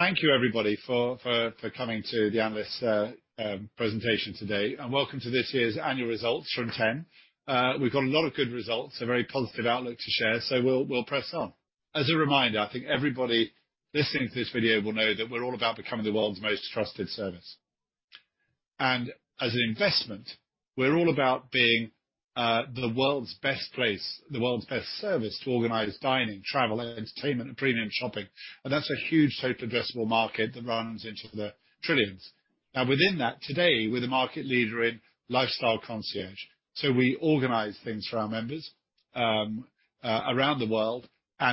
Thank you everybody for coming to the analyst presentation today. Welcome to this year's annual results from Ten. We've got a lot of good results, a very positive outlook to share, so we'll press on. As a reminder, I think everybody listening to this video will know that we're all about becoming the world's most trusted service. As an investment, we're all about being the world's best place, the world's best service to organize dining, travel, entertainment, and premium shopping. That's a huge total addressable market that runs into the trillions. Now, within that, today we're the market leader in lifestyle concierge. So we organize things for our members around the world.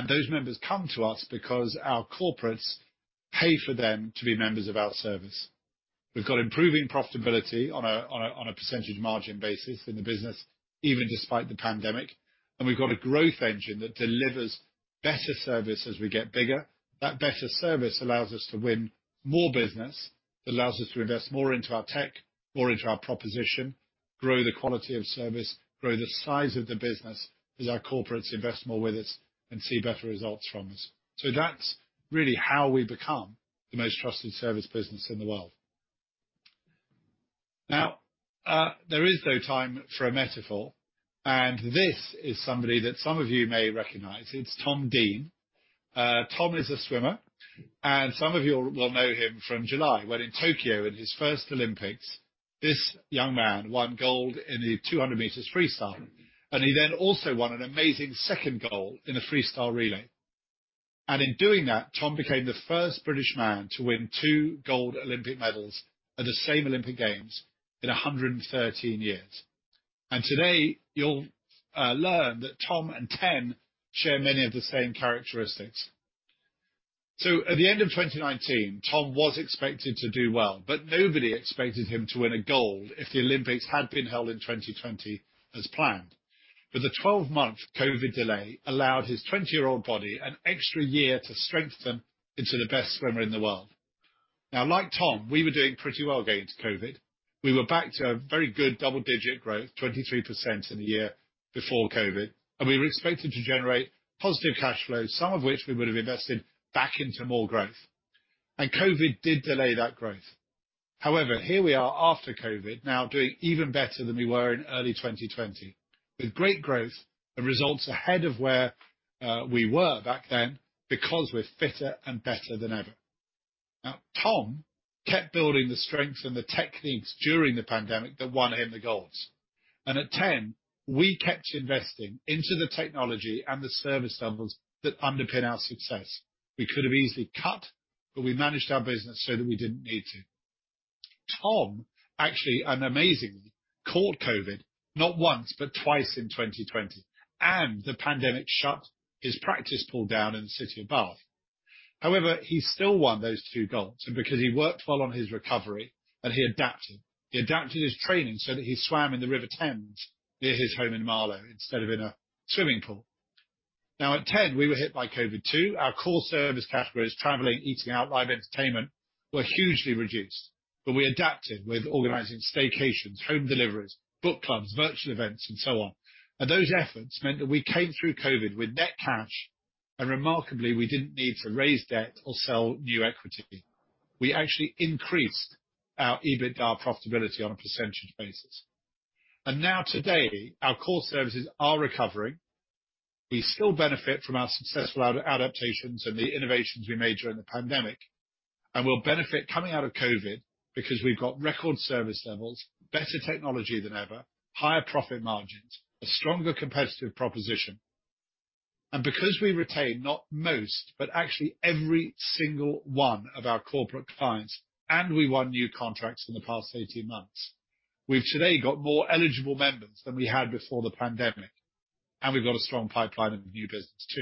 Those members come to us because our corporates pay for them to be members of our service. We've got improving profitability on a percentage margin basis in the business, even despite the pandemic. We've got a growth engine that delivers better service as we get bigger. That better service allows us to win more business. It allows us to invest more into our tech, more into our proposition, grow the quality of service, grow the size of the business as our corporates invest more with us and see better results from us. That's really how we become the most trusted service business in the world. Now, there is, though, time for a metaphor, and this is somebody that some of you may recognize. It's Tom Dean. Tom is a swimmer, and some of you will know him from July, when in Tokyo, in his first Olympics, this young man won gold in the 200 meters freestyle. He then also won an amazing second gold in the freestyle relay. In doing that, Tom became the first British man to win two gold Olympic medals at the same Olympic Games in 113 years. Today you'll learn that Tom and Ten share many of the same characteristics. At the end of 2019, Tom was expected to do well, but nobody expected him to win a gold if the Olympics had been held in 2020 as planned. The 12-month COVID delay allowed his 20-year-old body an extra year to strengthen into the best swimmer in the world. Now, like Tom, we were doing pretty well going into COVID. We were back to a very good double-digit growth, 23% in the year before COVID. We were expected to generate positive cash flows, some of which we would have invested back into more growth. COVID did delay that growth. However, here we are after COVID, now doing even better than we were in early 2020, with great growth and results ahead of where we were back then, because we're fitter and better than ever. Now, Tom kept building the strength and the techniques during the pandemic that won him the golds. At Ten, we kept investing into the technology and the service levels that underpin our success. We could have easily cut, but we managed our business so that we didn't need to. Tom, actually and amazingly, caught COVID, not once, but twice in 2020, and the pandemic shut his practice pool down in the city of Bath. However, he still won those two golds, and because he worked well on his recovery, and he adapted. He adapted his training so that he swam in the River Thames near his home in Marlow instead of in a swimming pool. Now, at Ten, we were hit by COVID too. Our core service categories, traveling, eating out, live entertainment, were hugely reduced. We adapted with organizing staycations, home deliveries, book clubs, virtual events, and so on. Those efforts meant that we came through COVID with net cash, and remarkably, we didn't need to raise debt or sell new equity. We actually increased our EBITDA profitability on a percentage basis. Now today, our core services are recovering. We still benefit from our successful adaptations and the innovations we made during the pandemic. We'll benefit coming out of COVID because we've got record service levels, better technology than ever, higher profit margins, a stronger competitive proposition. Because we retained not most, but actually every single one of our corporate clients, and we won new contracts in the past 18 months, we've today got more eligible members than we had before the pandemic, and we've got a strong pipeline of new business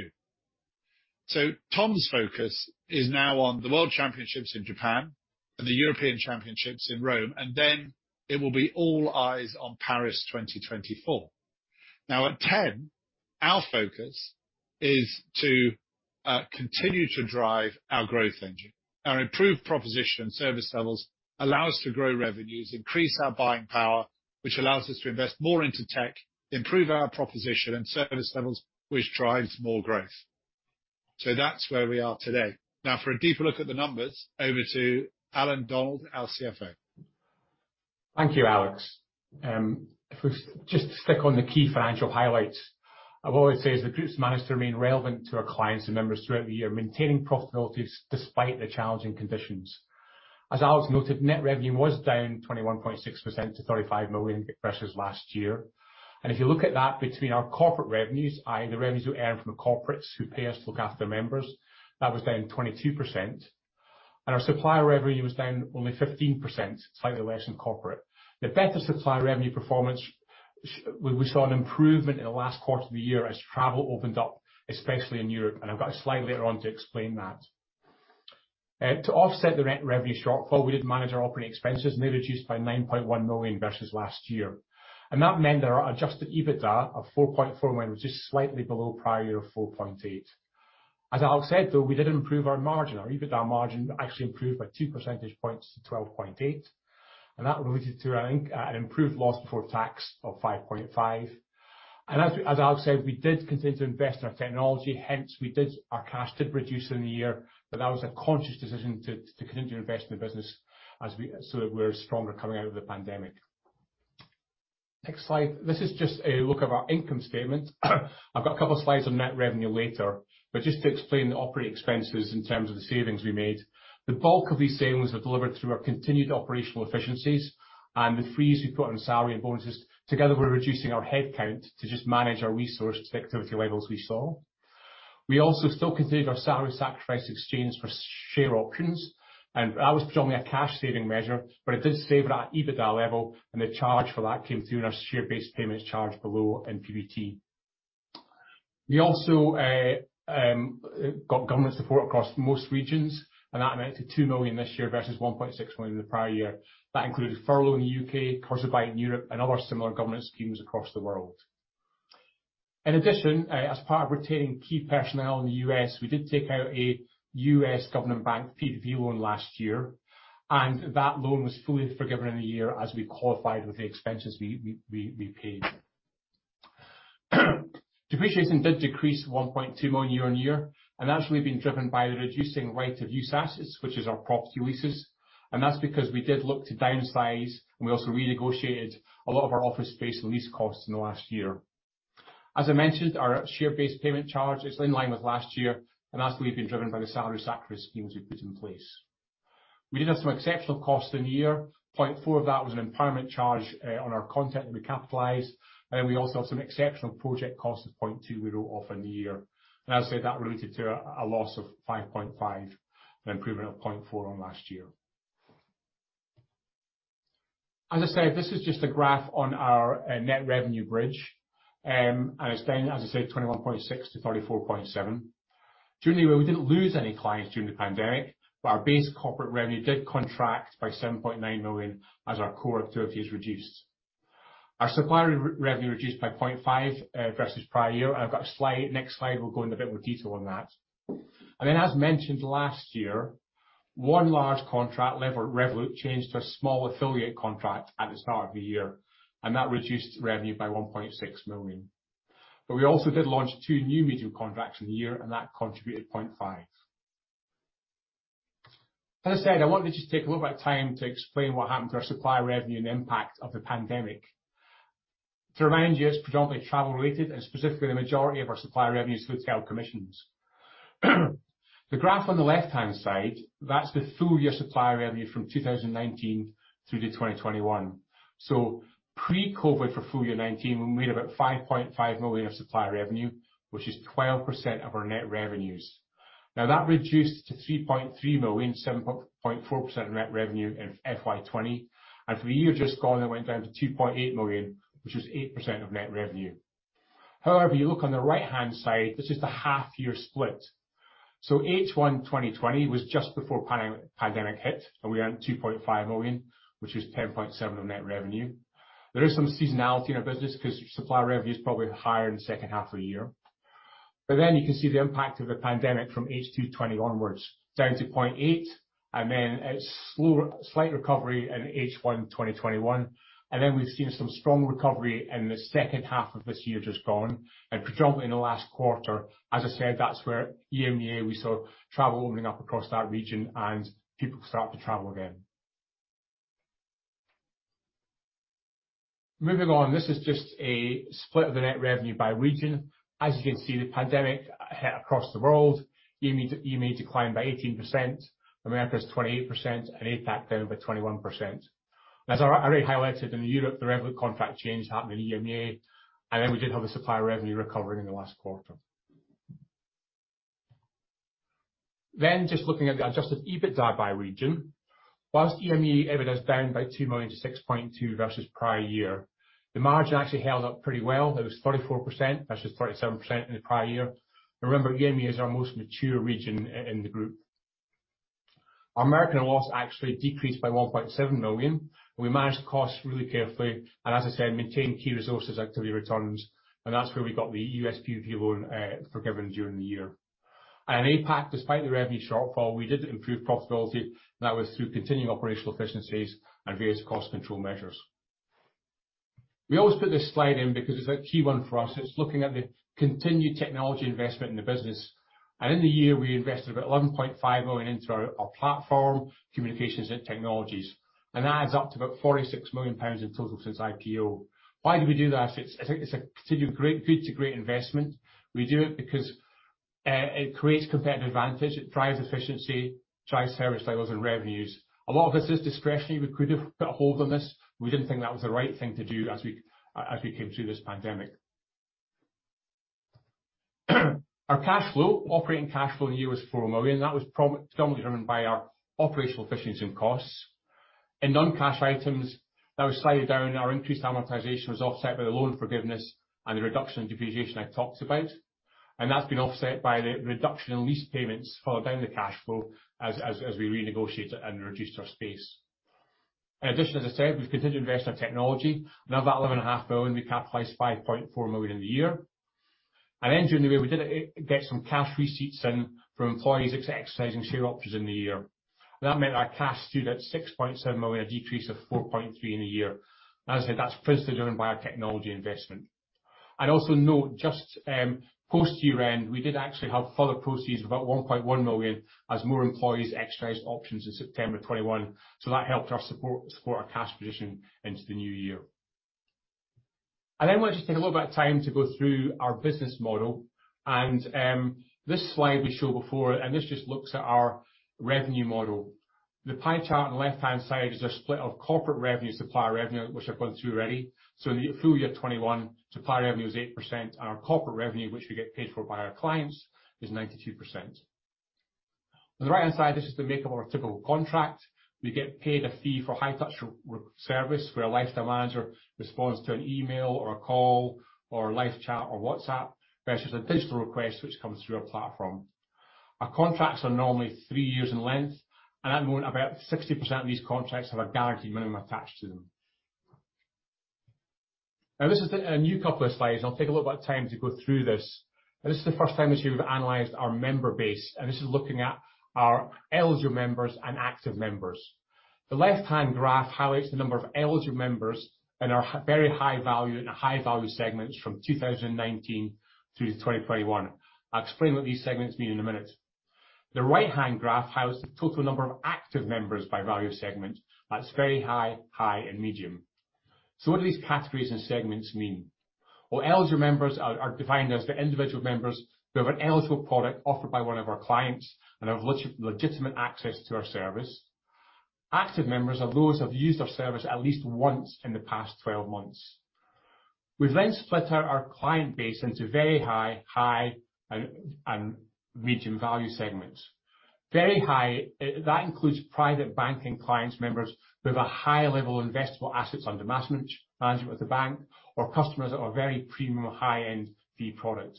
too. Tom's focus is now on the World Championships in Japan and the European Championships in Rome, and then it will be all eyes on Paris 2024. Now, at Ten, our focus is to continue to drive our growth engine. Our improved proposition and service levels allow us to grow revenues, increase our buying power, which allows us to invest more into tech, improve our proposition and service levels, which drives more growth. That's where we are today. Now, for a deeper look at the numbers, over to Alan Donald, our CFO. Thank you, Alex. If we just stick on the key financial highlights, I've always said the group's managed to remain relevant to our clients and members throughout the year, maintaining profitability despite the challenging conditions. As Alex noted, net revenue was down 21.6% to 35 million versus last year. If you look at that between our corporate revenues, i.e. the revenues we earn from the corporates who pay us to look after their members, that was down 22%. Our supplier revenue was down only 15%, slightly less than corporate. The better supplier revenue performance, we saw an improvement in the last quarter of the year as travel opened up, especially in Europe, and I've got a slide later on to explain that. To offset the revenue shortfall, we did manage our operating expenses, and they reduced by 9.1 million versus last year. That meant our adjusted EBITDA of 4.4 million was just slightly below prior year of 4.8 million. As Alex said, though, we did improve our margin. Our EBITDA margin actually improved by 2 percentage points to 12.8%, and that related to, I think, an improved loss before tax of 5.5 million. As Alex said, we did continue to invest in our technology. Hence, our cash did reduce in the year, but that was a conscious decision to continue to invest in the business so that we're stronger coming out of the pandemic. Next slide. This is just a look of our income statement. I've got a couple slides on net revenue later, but just to explain the operating expenses in terms of the savings we made. The bulk of these savings are delivered through our continued operational efficiencies and the freeze we put on salary and bonuses. Together, we're reducing our head count to just manage our resource to the activity levels we saw. We also still continued our salary sacrifice exchange for share options, and that was predominantly a cash saving measure, but it did save it at EBITDA level, and the charge for that came through in our share-based payments charge below in PBT. We also got government support across most regions, and that amounted 2 million this year versus 1.6 million the prior year. That included Furlough in the U.K., Kurzarbeit in Europe and other similar government schemes across the world. In addition, as part of retaining key personnel in the U.S., we did take out a U.S. government-backed PPP loan last year, and that loan was fully forgiven in the year as we qualified with the expenses we paid. Depreciation did decrease 1.2 million year-over-year, and that's really been driven by the reducing right-of-use assets, which is our property leases. That's because we did look to downsize, and we also renegotiated a lot of our office space and lease costs in the last year. As I mentioned, our share-based payment charge is in line with last year, and that's really been driven by the salary sacrifice schemes we've put in place. We did have some exceptional costs in the year. 0.4 of that was an impairment charge on our content that we capitalized, and we also had some exceptional project costs of 0.2 we wrote off in the year. As I said, that related to a loss of 5.5, an improvement of 0.4 on last year. As I said, this is just a graph on our net revenue bridge. It's down, as I said, 21.6-34.7. During the year, we didn't lose any clients during the pandemic, but our base corporate revenue did contract by 7.9 million as our core activities reduced. Our supplier revenue reduced by 0.5 versus prior year. I've got a slide. Next slide will go in a bit more detail on that. as mentioned last year, one large contract level at Revolut changed to a small affiliate contract at the start of the year, and that reduced revenue by 1.6 million. we also did launch two new medium contracts in the year, and that contributed 0.5 million. As I said, I wanted to just take a little bit of time to explain what happened to our supplier revenue and the impact of the pandemic. To remind you, it's predominantly travel related and specifically the majority of our supplier revenue is hotel commissions. The graph on the left-hand side, that's the full year supplier revenue from 2019 through to 2021. pre-COVID for full year 2019, we made about 5.5 million of supplier revenue, which is 12% of our net revenues. Now, that reduced to 3.3 million, 7.4% of net revenue in FY 2020. For the year just gone, it went down to 2.8 million, which is 8% of net revenue. However, you look on the right-hand side, this is the half year split. H1 2020 was just before pandemic hit, and we earned 2.5 million, which is 10.7% of net revenue. There is some seasonality in our business because supplier revenue is probably higher in the second half of the year. You can see the impact of the pandemic from H2 2020 onwards, down to 0.8, and then a slower slight recovery in H1 2021. We've seen some strong recovery in the second half of this year just gone, and predominantly in the last quarter. As I said, that's where EMEA, we saw travel opening up across that region and people start to travel again. Moving on, this is just a split of the net revenue by region. As you can see, the pandemic hit across the world. EMEA declined by 18%, Americas 28%, and APAC down by 21%. As I already highlighted in Europe, the Revolut contract change happened in EMEA, and then we did have the supplier revenue recovering in the last quarter. Just looking at the adjusted EBITDA by region. Whilst EMEA EBITDA is down by 2 million to 6.2 million versus prior year, the margin actually held up pretty well. It was 34% versus 37% in the prior year. Remember, EMEA is our most mature region in the group. Our American loss actually decreased by 1.7 million, and we managed costs really carefully and, as I said, maintained key resources until the returns. That's where we got the U.S. PPP loan forgiven during the year. In APAC, despite the revenue shortfall, we did improve profitability. That was through continuing operational efficiencies and various cost control measures. We always put this slide in because it's a key one for us. It's looking at the continued technology investment in the business. In the year, we invested about 11.5 million into our platform communications and technologies, and that adds up to about 46 million pounds in total since IPO. Why do we do that? It's a continued good to great investment. We do it because it creates competitive advantage. It drives efficiency, drives service levels and revenues. A lot of this is discretionary. We could have put a hold on this. We didn't think that was the right thing to do as we came through this pandemic. Our cash flow, operating cash flow in the year was 4 million. That was predominantly driven by our operational efficiencies and costs. In non-cash items, that was slightly down. Our increased amortization was offset by the loan forgiveness and the reduction in depreciation I talked about. That's been offset by the reduction in lease payments further down the cash flow as we renegotiated and reduced our space. In addition, as I said, we've continued to invest in our technology. Of that 11.5 million, we capitalized 5.4 million in the year. During the year, we did get some cash receipts in from employees exercising share options in the year. That meant our cash stood at 6.7 million, a decrease of 4.3 million in the year. As I said, that's principally driven by our technology investment. Also note just post year-end, we did actually have further proceeds, about 1.1 million as more employees exercised options in September 2021. That helped support our cash position into the new year. I want to take a little bit of time to go through our business model and this slide we showed before, and this just looks at our revenue model. The pie chart on the left-hand side is a split of corporate revenue, supplier revenue, which I've gone through already. In the full year 2021, supplier revenue is 8% and our corporate revenue, which we get paid for by our clients, is 92%. On the right-hand side, this is the makeup of a typical contract. We get paid a fee for high-touch service, where a lifestyle manager responds to an email or a call or a live chat or WhatsApp versus a digital request, which comes through our platform. Our contracts are normally 3 years in length, and at the moment about 60% of these contracts have a guaranteed minimum attached to them. Now, this is the new couple of slides. I'll take a little bit of time to go through this. This is the first time this year we've analyzed our member base, and this is looking at our eligible members and active members. The left-hand graph highlights the number of eligible members in our very high value and high value segments from 2019 through to 2021. I'll explain what these segments mean in a minute. The right-hand graph highlights the total number of active members by value segment. That's very high, high, and medium. What do these categories and segments mean? Well, eligible members are defined as the individual members who have an eligible product offered by one of our clients and have legitimate access to our service. Active members are those who have used our service at least once in the past 12 months. We've then split out our client base into very high, high, and medium value segments. Very high, that includes private banking clients, members who have a high level of investable assets under management with the bank or customers that are very premium high-end fee product.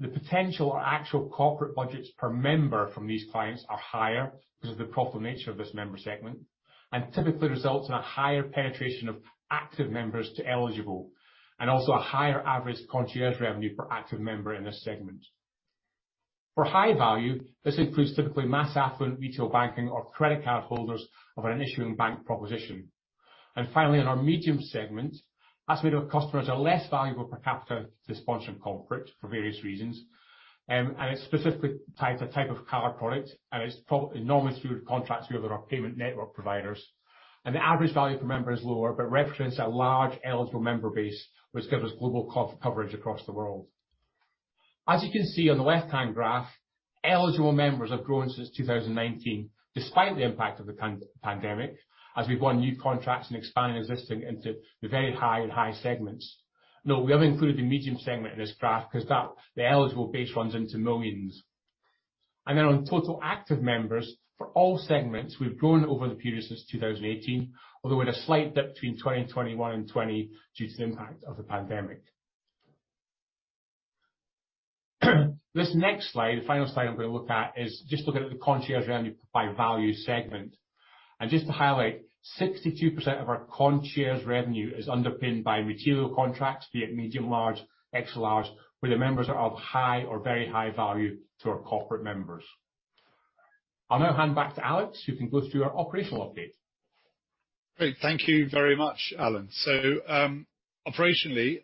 The potential or actual corporate budgets per member from these clients are higher because of the high-profile nature of this member segment, and typically results in a higher penetration of active members to eligible, and also a higher average concierge revenue per active member in this segment. For high-value, this includes typically mass affluent retail banking or credit card holders of an issuing bank proposition. Finally, in our medium segment, that's where our customers are less valuable per capita to the sponsoring corporate for various reasons. It's specifically a type of card product, and it's probably enormous, through contracts with other payment network providers. The average value per member is lower, but represents a large eligible member base, which gives us global coverage across the world. As you can see on the left-hand graph, eligible members have grown since 2019, despite the impact of the pandemic, as we've won new contracts and expanded existing into the very high and high segments. No, we haven't included the medium segment in this graph 'cause that, the eligible base runs into millions. Then on total active members, for all segments, we've grown over the period since 2018, although with a slight dip between 2020 and 2021 due to the impact of the pandemic. This next slide, the final slide I'm gonna look at is just looking at the concierge revenue by value segment. Just to highlight, 62% of our concierge revenue is underpinned by material contracts, be it medium, large, extra large, where the members are of high or very high value to our corporate members. I'll now hand back to Alex, who can go through our operational update. Great. Thank you very much, Alan. Operationally,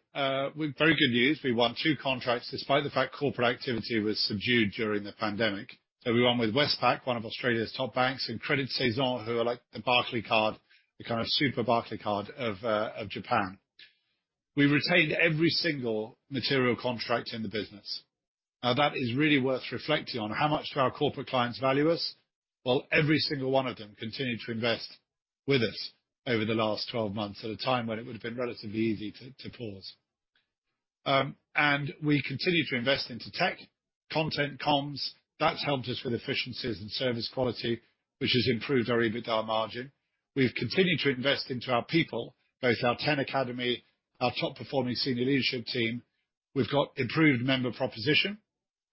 we've very good news. We won 2 contracts despite the fact corporate activity was subdued during the pandemic. We won with Westpac, one of Australia's top banks, and Credit Saison, who are like the Barclaycard, the kind of super Barclaycard of Japan. We retained every single material contract in the business. Now, that is really worth reflecting on. How much do our corporate clients value us? Well, every single one of them continued to invest with us over the last 12 months, at a time when it would have been relatively easy to pause. We continued to invest into tech, content, comms. That's helped us with efficiencies and service quality, which has improved our EBITDA margin. We've continued to invest into our people, both our Ten Academy, our top performing senior leadership team. We've got improved member proposition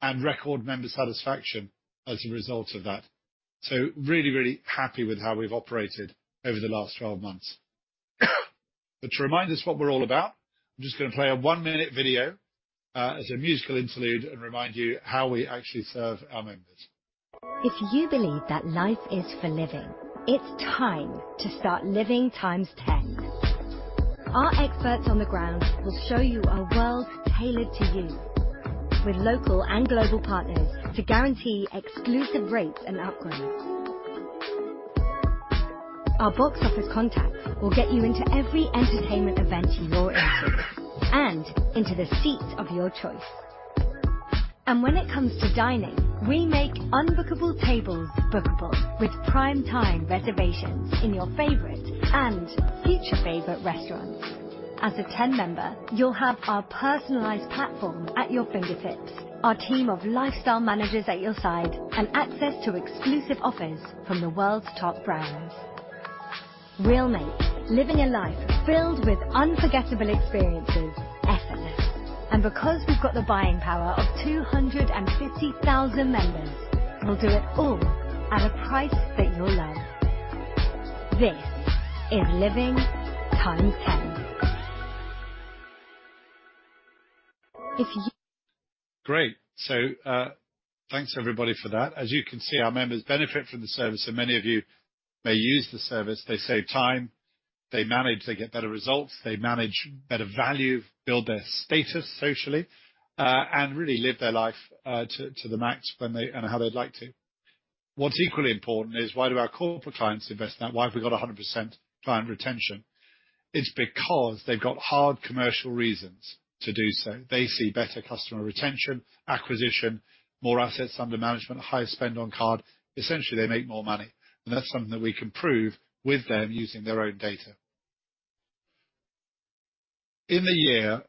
and record member satisfaction as a result of that. Really, really happy with how we've operated over the last 12 months. To remind us what we're all about, I'm just gonna play a 1-minute video as a musical interlude and remind you how we actually serve our members. If you believe that life is for living, it's time to start living times ten. Our experts on the ground will show you a world tailored to you with local and global partners to guarantee exclusive rates and upgrades. Our box office contacts will get you into every entertainment event you're interested and into the seats of your choice. When it comes to dining, we make unbookable tables bookable with prime time reservations in your favorite and future favorite restaurants. As a Ten member, you'll have our personalized platform at your fingertips, our team of lifestyle managers at your side, and access to exclusive offers from the world's top brands. We'll make living a life filled with unforgettable experiences effortless. Because we've got the buying power of 250,000 members, we'll do it all at a price that you'll love. This is living times ten. Great. Thanks everybody for that. As you can see, our members benefit from the service, and many of you may use the service. They save time, they manage, they get better results, they manage better value, build their status socially, and really live their life to the max and how they'd like to. What's equally important is why do our corporate clients invest in that? Why have we got 100% client retention? It's because they've got hard commercial reasons to do so. They see better customer retention, acquisition, more assets under management, higher spend on card. Essentially, they make more money. That's something that we can prove with them using their own data. In the year,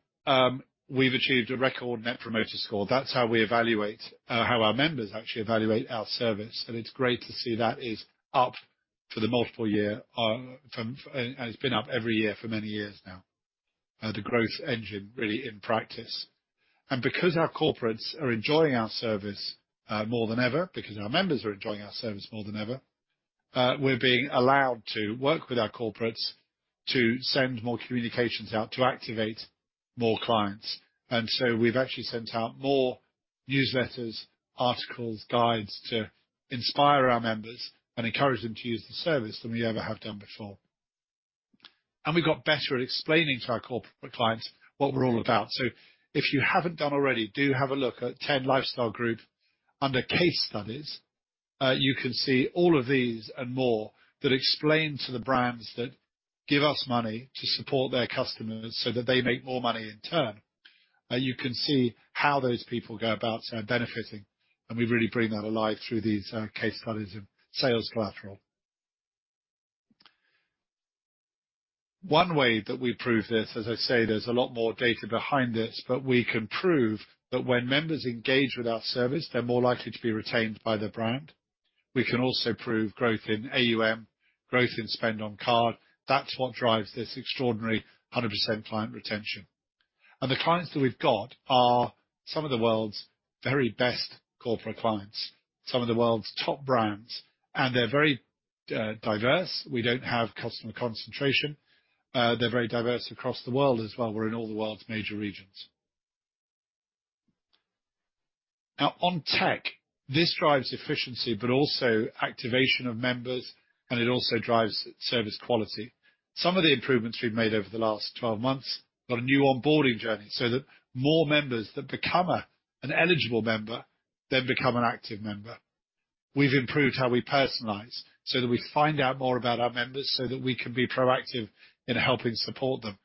we've achieved a record net promoter score. That's how we evaluate how our members actually evaluate our service, and it's great to see that it's up for multiple years. It's been up every year for many years now, that's the growth engine really in practice. Because our corporates are enjoying our service more than ever, because our members are enjoying our service more than ever, we're being allowed to work with our corporates to send more communications out, to activate more clients. We've actually sent out more newsletters, articles, guides to inspire our members and encourage them to use the service than we ever have done before. We got better at explaining to our corporate clients what we're all about. If you haven't done already, do have a look at Ten Lifestyle Group. Under case studies, you can see all of these and more that explain to the brands that give us money to support their customers so that they make more money in turn. You can see how those people go about benefiting, and we really bring that alive through these, case studies and sales collateral. One way that we prove this, as I say, there's a lot more data behind this, but we can prove that when members engage with our service, they're more likely to be retained by the brand. We can also prove growth in AUM, growth in spend on card. That's what drives this extraordinary 100% client retention. The clients that we've got are some of the world's very best corporate clients, some of the world's top brands, and they're very, diverse. We don't have customer concentration. They're very diverse across the world as well. We're in all the world's major regions. Now, on tech, this drives efficiency, but also activation of members, and it also drives service quality. Some of the improvements we've made over the last 12 months. Got a new onboarding journey so that more members that become an eligible member then become an active member. We've improved how we personalize so that we find out more about our members so that we can be proactive in helping support them.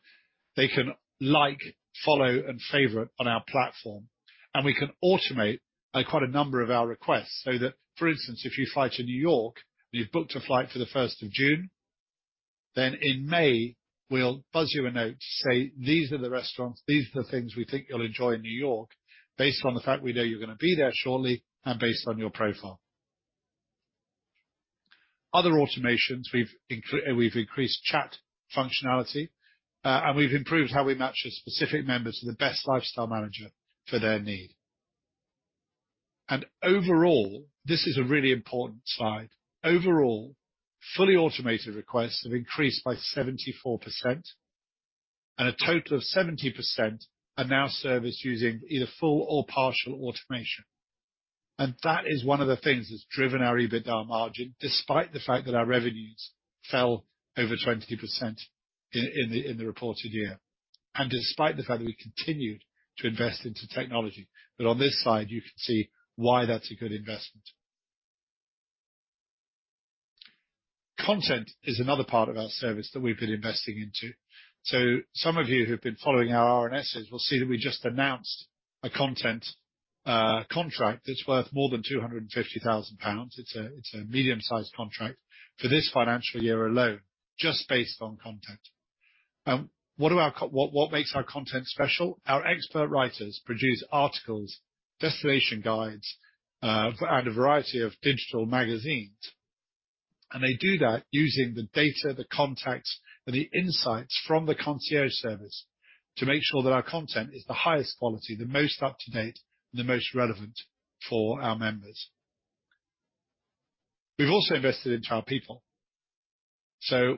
They can like, follow, and favorite on our platform, and we can automate quite a number of our requests, so that, for instance, if you fly to New York and you've booked a flight for the first of June, then in May we'll buzz you a note to say, "These are the restaurants, these are the things we think you'll enjoy in New York," based on the fact we know you're gonna be there shortly and based on your profile. Other automations, we've increased chat functionality, and we've improved how we match the specific members to the best lifestyle manager for their need. Overall, this is a really important slide. Overall, fully automated requests have increased by 74%, and a total of 70% are now serviced using either full or partial automation. That is one of the things that's driven our EBITDA margin, despite the fact that our revenues fell over 20% in the reported year, and despite the fact that we continued to invest into technology. On this slide, you can see why that's a good investment. Content is another part of our service that we've been investing into. Some of you who've been following our RNSs will see that we just announced a content contract that's worth more than 250,000 pounds, it's a medium-sized contract, for this financial year alone, just based on content. What makes our content special? Our expert writers produce articles, destination guides, and a variety of digital magazines. They do that using the data, the context, and the insights from the concierge service to make sure that our content is the highest quality, the most up-to-date, and the most relevant for our members. We've also invested into our people.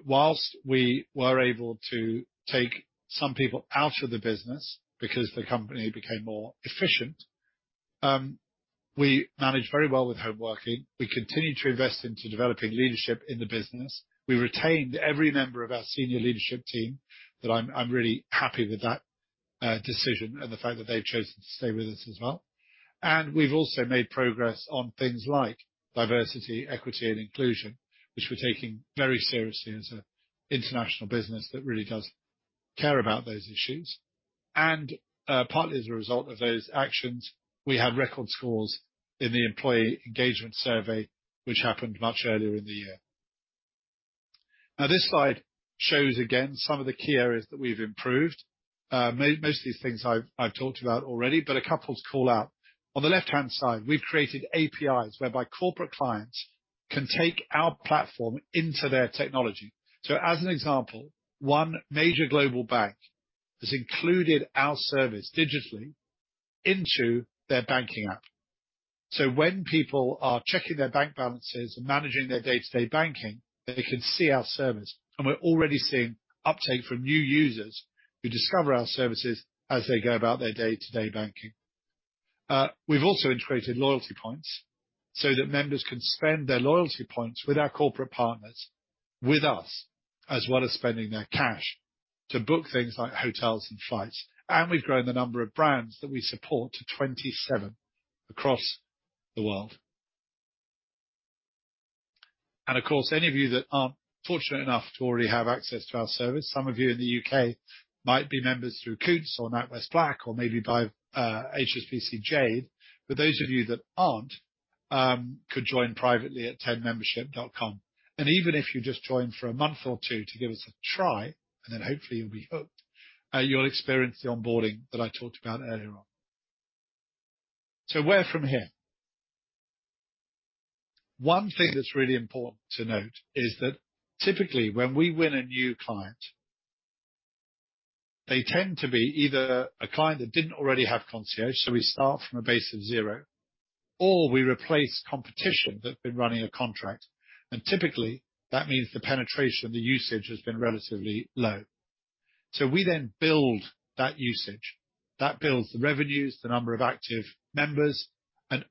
While we were able to take some people out of the business because the company became more efficient, we managed very well with homeworking. We continued to invest into developing leadership in the business. We retained every member of our senior leadership team that I'm really happy with that decision and the fact that they've chosen to stay with us as well. We've also made progress on things like diversity, equity, and inclusion, which we're taking very seriously as an international business that really does care about those issues. Partly as a result of those actions, we had record scores in the employee engagement survey, which happened much earlier in the year. Now, this slide shows again some of the key areas that we've improved. Most of these things I've talked about already, but a couple to call out. On the left-hand side, we've created APIs whereby corporate clients can take our platform into their technology. As an example, one major global bank has included our service digitally into their banking app. When people are checking their bank balances and managing their day-to-day banking, they can see our service. We're already seeing uptake from new users who discover our services as they go about their day-to-day banking. We've also integrated loyalty points so that members can spend their loyalty points with our corporate partners, with us, as well as spending their cash to book things like hotels and flights. We've grown the number of brands that we support to 27 across the world. Of course, any of you that aren't fortunate enough to already have access to our service, some of you in the U.K. might be members through Coutts or NatWest Black or maybe by HSBC Jade. Those of you that aren't could join privately at ten-membership.com. Even if you just join for a month or two to give us a try, and then hopefully you'll be hooked, you'll experience the onboarding that I talked about earlier on. Where from here? One thing that's really important to note is that typically, when we win a new client, they tend to be either a client that didn't already have concierge, so we start from a base of zero, or we replace competition that have been running a contract. Typically, that means the penetration, the usage has been relatively low. We then build that usage. That builds the revenues, the number of active members.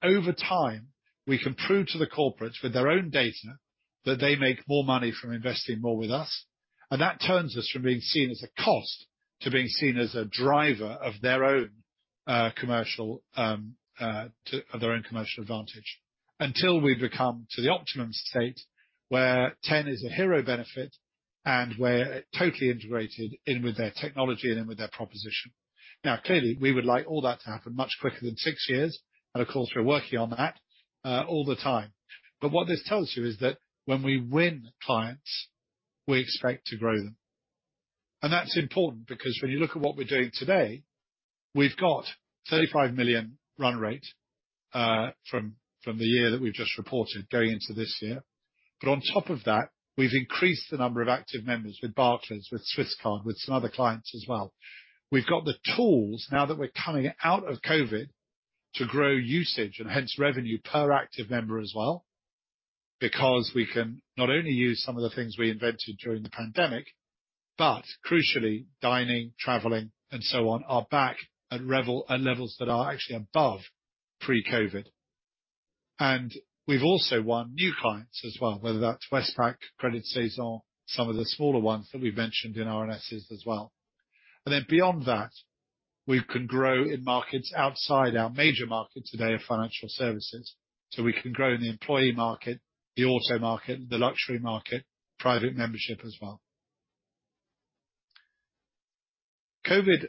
Over time, we can prove to the corporates with their own data that they make more money from investing more with us. That turns us from being seen as a cost to being seen as a driver of their own commercial to. Of their own commercial advantage, until we've become the optimum state where Ten is a hero benefit and we're totally integrated in with their technology and in with their proposition. Now, clearly, we would like all that to happen much quicker than 6 years, and of course, we're working on that all the time. What this tells you is that when we win clients, we expect to grow them. That's important because when you look at what we're doing today, we've got 35 million run rate from the year that we've just reported going into this year. On top of that, we've increased the number of active members with Barclays, with Swisscard, with some other clients as well. We've got the tools now that we're coming out of COVID to grow usage and hence revenue per active member as well, because we can not only use some of the things we invented during the pandemic, but crucially, dining, traveling, and so on are back at levels that are actually above pre-COVID. We've also won new clients as well, whether that's Westpac, Credit Saison, some of the smaller ones that we've mentioned in RNSs as well. Beyond that, we can grow in markets outside our major market today of financial services. We can grow in the employee market, the auto market, the luxury market, private membership as well. COVID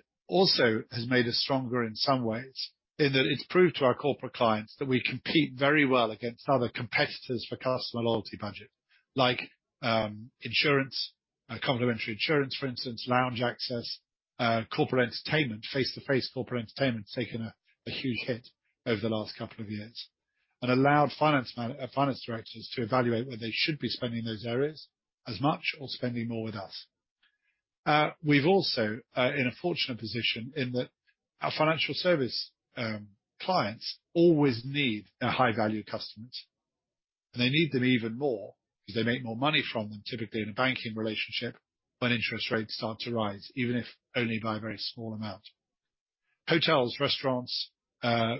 has made us stronger in some ways, in that it's proved to our corporate clients that we compete very well against other competitors for customer loyalty budget, like insurance, complimentary insurance, for instance, lounge access, corporate entertainment. Face-to-face corporate entertainment has taken a huge hit over the last couple of years and allowed finance directors to evaluate whether they should be spending those areas as much or spending more with us. We've also in a fortunate position in that our financial service clients always need their high-value customers, and they need them even more because they make more money from them, typically in a banking relationship when interest rates start to rise, even if only by a very small amount. Hotels, restaurants,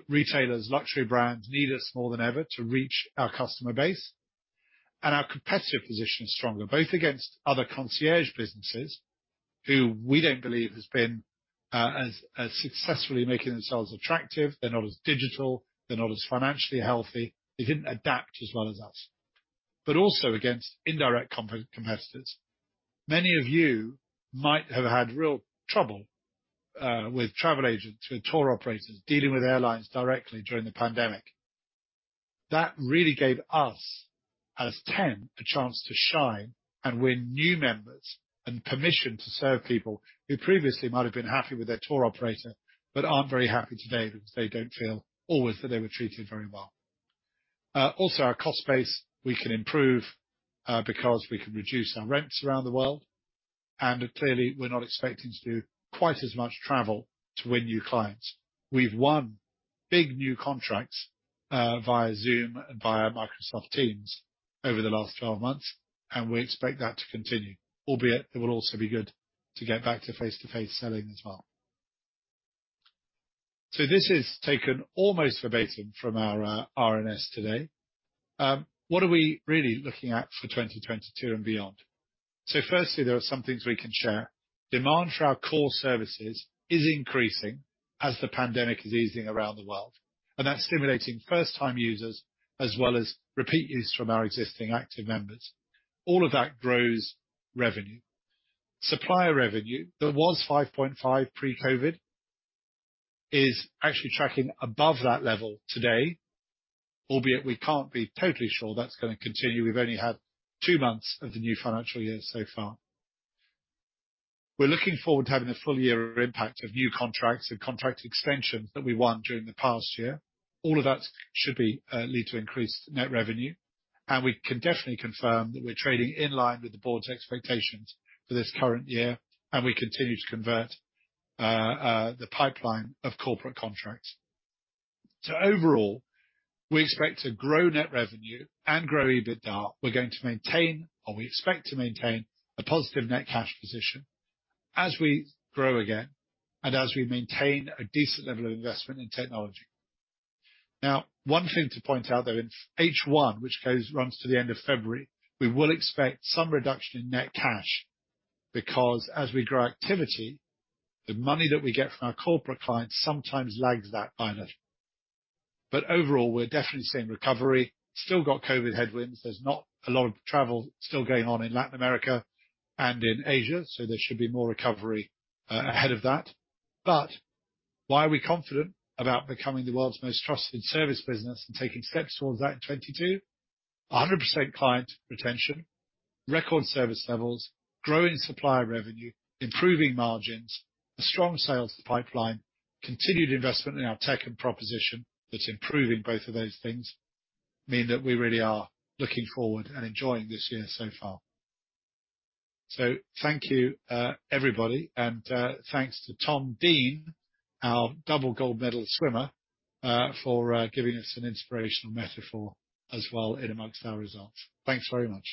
retailers, luxury brands need us more than ever to reach our customer base. Our competitive position is stronger, both against other concierge businesses who we don't believe has been as successfully making themselves attractive. They're not as digital, they're not as financially healthy. They didn't adapt as well as us. But also against indirect competitors. Many of you might have had real trouble with travel agents, with tour operators, dealing with airlines directly during the pandemic. That really gave us as Ten a chance to shine and win new members and permission to serve people who previously might have been happy with their tour operator but aren't very happy today because they don't feel always that they were treated very well. Also our cost base we can improve because we can reduce our rents around the world. Clearly, we're not expecting to do quite as much travel to win new clients. We've won big new contracts via Zoom and via Microsoft Teams over the last 12 months, and we expect that to continue, albeit it will also be good to get back to face-to-face selling as well. This is taken almost verbatim from our RNS today. What are we really looking at for 2022 and beyond? Firstly, there are some things we can share. Demand for our core services is increasing as the pandemic is easing around the world, and that's stimulating first-time users as well as repeat use from our existing active members. All of that grows revenue. Supplier revenue that was 5.5 pre-COVID is actually tracking above that level today, albeit we can't be totally sure that's gonna continue. We've only had 2 months of the new financial year so far. We're looking forward to having a full year impact of new contracts and contract extensions that we won during the past year. All of that should lead to increased net revenue. We can definitely confirm that we're trading in line with the board's expectations for this current year, and we continue to convert the pipeline of corporate contracts. Overall, we expect to grow net revenue and grow EBITDA. We're going to maintain, or we expect to maintain a positive net cash position as we grow again and as we maintain a decent level of investment in technology. Now, one thing to point out, that in H1, which goes to the end of February, we will expect some reduction in net cash because as we grow activity, the money that we get from our corporate clients sometimes lags that by a little. Overall, we're definitely seeing recovery. Still got COVID headwinds. There's not a lot of travel still going on in Latin America and in Asia, so there should be more recovery ahead of that. Why are we confident about becoming the world's most trusted service business and taking steps towards that in 2022? 100% client retention, record service levels, growing supplier revenue, improving margins, a strong sales pipeline, continued investment in our tech and proposition that's improving both of those things, mean that we really are looking forward and enjoying this year so far. Thank you, everybody. Thanks to Tom Dean, our double gold medal swimmer, for giving us an inspirational metaphor as well in amongst our results. Thanks very much.